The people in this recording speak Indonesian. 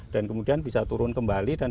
dan kemudian bisa turun kembali dan